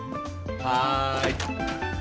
はい。